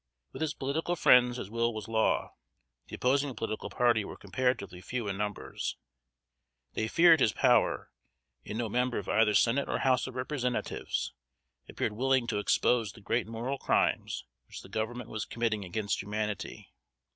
With his political friends his will was law. The opposing political party were comparatively few in numbers. They feared his power; and no member of either Senate or House of Representatives appeared willing to expose the great moral crimes which the Government was committing against humanity.